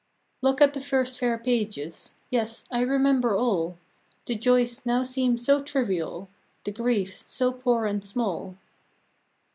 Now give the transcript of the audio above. Look at the first fair pages ; Yes, I remember all: The joys now seem so trivial, The griefs so poor and small.